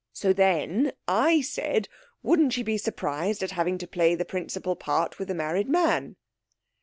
So, then, I said, wouldn't she be surprised at having to play the principal part with a married man.'